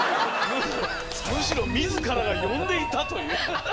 むしろ自らが呼んでいたという。